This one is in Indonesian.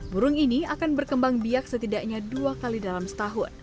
burung ini akan berkembang biak setidaknya dua kali dalam setahun